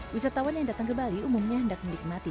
wisatawan yang datang ke bali umumnya hendak menikmati